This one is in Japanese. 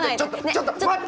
ちょっと待って！